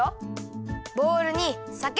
ボウルにさけ。